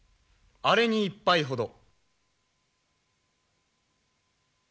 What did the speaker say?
あれに１杯ほど。